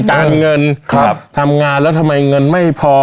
การเงินทำงานแล้วทำไมเงินไม่พอ